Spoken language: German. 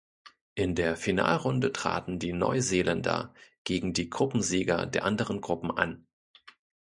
In der Finalrunde traten die Neuseeländer gegen die Gruppensieger der anderen Gruppen an.